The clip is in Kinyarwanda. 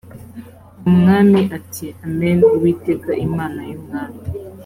umwami ati amen uwiteka imana y umwami